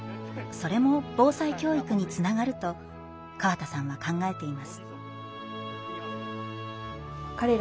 それも防災教育につながると河田さんは考えています。